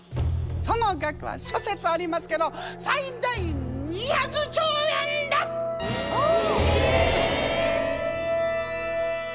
その額は諸説ありますけど最大２００兆円です！え！